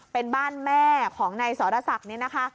เป็นบ้านแม่ของนายสรศักดิ์เนี่ยนะคะ